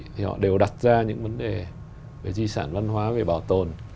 thì họ đều đặt ra những vấn đề về di sản văn hóa về bảo tồn